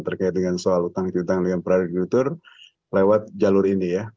terkait dengan soal utang kreditur lewat jalur ini ya